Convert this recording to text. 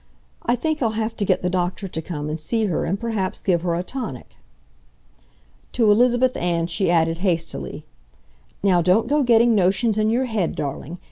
I think I'll have to get the doctor to come and see her and perhaps give her a tonic." To Elizabeth Ann she added, hastily: "Now don't go getting notions in your head, darling.